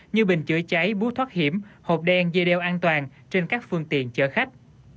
như bình chữa cháy bút thoát hiểm hộp đen dây đeo an toàn trên các phương tiện chở khách